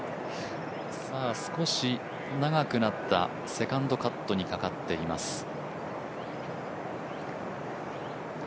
少し長くなったセカンドカットにかかっています。